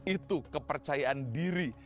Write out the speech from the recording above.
itu kepercayaan diri